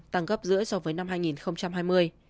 tăng gấp rưỡi so với năm hai nghìn hai mươi